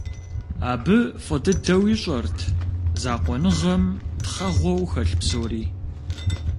Абы фӀы дыдэу ищӀэрт закъуэныгъэм «тхъэгъуэу» хэлъ псори.